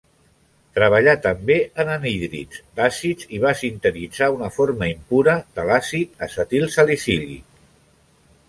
Treballà també en anhídrids d'àcids i va sintetitzar una forma impura de l'àcid acetilsalicílic.